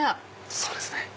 そうですね